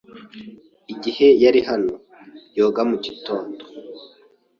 Igihe yari hano, yoga mu gitondo.